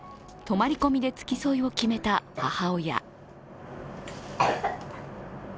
泊まり込みで付き添いを決めた、母親。